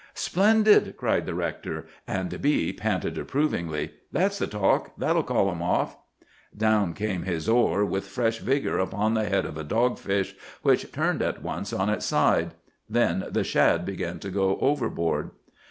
"'Splendid!' cried the rector; and B—— panted approvingly, 'That's the talk! That'll call 'em off.' "Down came his oar with fresh vigor upon the head of a dogfish, which turned at once on its side. Then the shad began to go overboard.